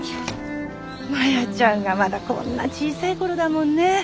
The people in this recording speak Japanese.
マヤちゃんがまだこんな小さい頃だもんね。